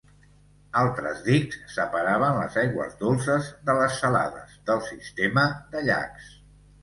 Altres dics separaven les aigües dolces de les salades del sistema de llacs.